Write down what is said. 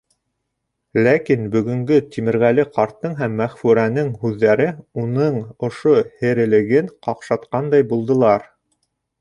Ләкин бөгөнгө Тимерғәле ҡарттың һәм Мәғфүрәнең һүҙҙәре уның ошо һерелеген ҡаҡшатҡандай булдылар.